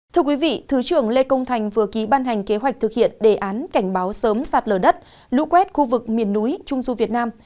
thưa quý vị thứ trưởng lê công thành vừa ký ban hành kế hoạch thực hiện đề án cảnh báo sớm sạt lở đất lũ quét khu vực miền núi trung du việt nam